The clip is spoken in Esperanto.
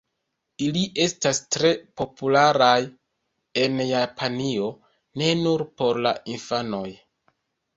Ili estas tre popularaj en Japanio, ne nur por la infanoj.